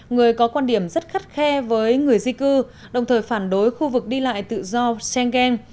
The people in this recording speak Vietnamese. người có quan điểm rất khắt khe với người di cư đồng thời phản đối khu vực đi lại tự do schengen